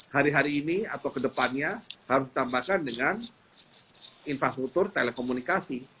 hari hari ini atau kedepannya harus ditambahkan dengan infrastruktur telekomunikasi